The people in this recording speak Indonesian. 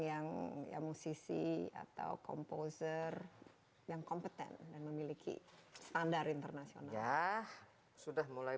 yang ya musisi atau komposer yang kompeten dan memiliki standar internasional sudah mulai